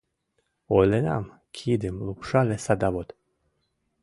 — Ойленам, — кидым лупшале садовод.